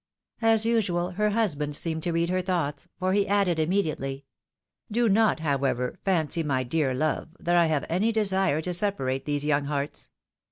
As usual, her husband seemed to read her thoughts, for he added immediately, " Do not, however, fancy, my dear love, that I have any desire to separate these young hearts.